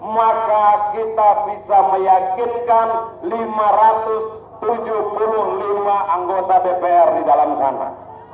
maka kita bisa meyakinkan lima ratus tujuh puluh lima anggota dpr di dalam sana